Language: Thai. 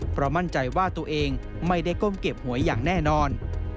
เพราะมั่นใจว่าตัวเองไม่ได้ก้มเก็บหวยอย่างแน่นอน